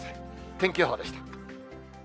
天気予報でした。